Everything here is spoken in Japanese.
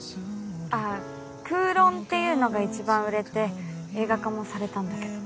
あぁ『空論』っていうのが一番売れて映画化もされたんだけど